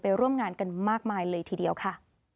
ร่วมงานกันมากมายเลยทีเดียวค่ะ